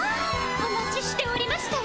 お待ちしておりましたわ！